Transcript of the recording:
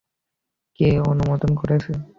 কে অনুমোদন করেছে?